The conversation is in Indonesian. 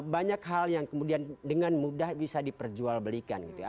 banyak hal yang kemudian dengan mudah bisa diperjualbelikan gitu ya